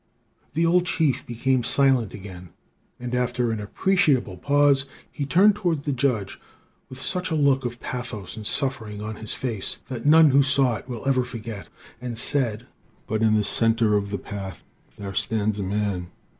"The old chief became silent again, and, after an appreciable pause, he turned toward the judge with such a look of pathos and suffering on his face that none who saw it will forget it, and said: "'But in the center of the path there stands a man.